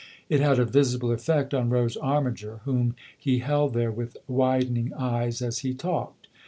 It had a visible effect on Rose Armiger, whom he held there with widen ing eyes as he talked.